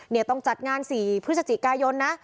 เนี่ยต้องจัดงานสี่พฤศจิกายนนะ